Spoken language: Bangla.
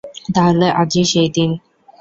তাহলে আজই সেই দিন।